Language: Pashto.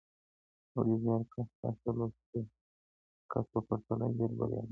ولي زیارکښ کس د لوستي کس په پرتله ژر بریالی کېږي؟